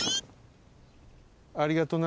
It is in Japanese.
ありがとな。